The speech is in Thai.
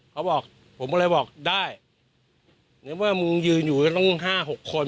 เขาบอกผมก็เลยบอกได้ในเมื่อมึงยืนอยู่ก็ต้องห้าหกคน